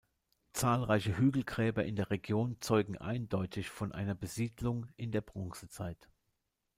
Zahlreiche Hügelgräber in der Region zeugen eindeutig von einer Besiedlung in der Bronzezeit.